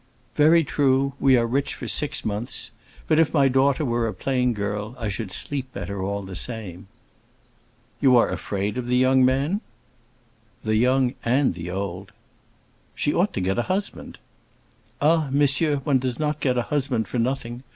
"Very true; we are rich for six months. But if my daughter were a plain girl I should sleep better all the same." "You are afraid of the young men?" "The young and the old!" "She ought to get a husband." "Ah, monsieur, one doesn't get a husband for nothing.